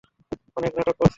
অনেক নাটক করেছিস।